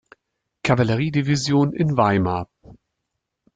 Kavallerie-Division in Weimar.